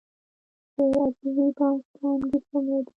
د عزیزي بانک څانګې څومره دي؟